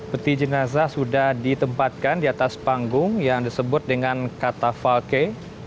peti jenazah sudah ditempatkan di atas panggung yang disebut dengan kata falke